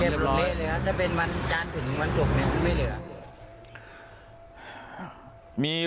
ส่วนสองตายายขี่จักรยานยนต์อีกคันหนึ่งก็เจ็บถูกนำตัวส่งโรงพยาบาลสรรค์กำแพง